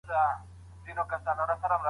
هغې ولیدل چې مالک څه اخلي او څه پلوري.